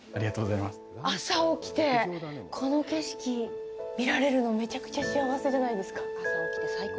朝起きて、この景色見られるのめちゃくちゃ幸せじゃないですか。